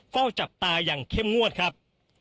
เฝ้าจับตาอย่างเข้มงวดครับ